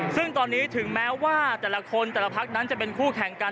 ซึ่งตอนนี้ถึงแม้ว่าแต่ละคนแต่ละพักนั้นจะเป็นคู่แข่งกัน